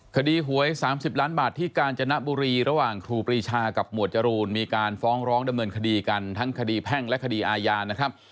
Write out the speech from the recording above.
คดีหวย๓๐ล้านบาทที่กาญจนบุรีระหว่างครูปรีชากับหมวดจรูนมีการฟ้องร้องดำเนินคดีกันทั้งคดีแพ่งและคดีอาญานะครับ